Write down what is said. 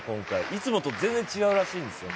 いつもと全然違うらしいんですよ